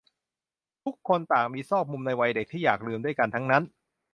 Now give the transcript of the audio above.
ทุกคนต่างมีซอกมุมในวัยเด็กที่อยากลืมด้วยกันทั้งนั้น